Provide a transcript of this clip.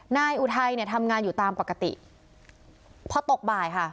อุทัยเนี่ยทำงานอยู่ตามปกติพอตกบ่ายค่ะ